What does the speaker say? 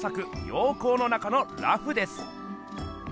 「陽光の中の裸婦」です。